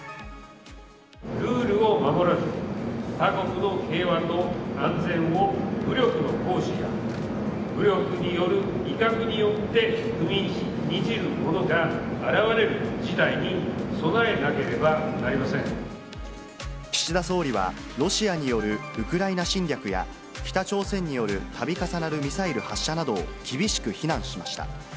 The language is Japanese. ルールを守らず、他国の平和と安全を、武力の行使や、武力による威嚇によって踏みにじる者が現れる事態に備えなければ岸田総理は、ロシアによるウクライナ侵略や、北朝鮮によるたび重なるミサイル発射などを厳しく非難しました。